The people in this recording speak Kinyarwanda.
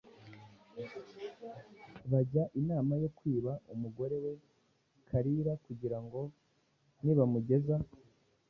Bajya inama yo kwiba umugore we Kalira kugira ngo nibamugeza